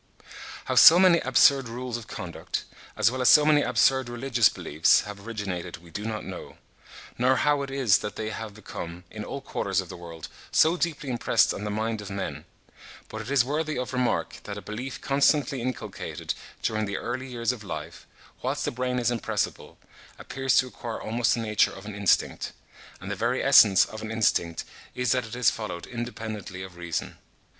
How so many absurd rules of conduct, as well as so many absurd religious beliefs, have originated, we do not know; nor how it is that they have become, in all quarters of the world, so deeply impressed on the mind of men; but it is worthy of remark that a belief constantly inculcated during the early years of life, whilst the brain is impressible, appears to acquire almost the nature of an instinct; and the very essence of an instinct is that it is followed independently of reason.